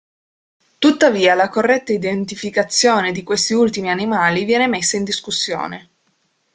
Tuttavia, la corretta identificazione di questi ultimi animali viene messa in discussione.